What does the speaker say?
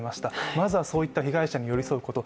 まずはそういった被害者に寄り添うこと。